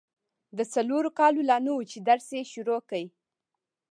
د څلورو کالو لا نه وه چي درس يې شروع کی.